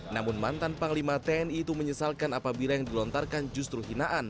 namun mantan panglima tni itu menyesalkan apabila yang dilontarkan justru hinaan